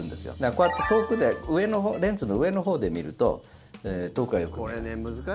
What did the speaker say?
こうやってレンズの上のほうで見ると遠くがよく見えるわけです。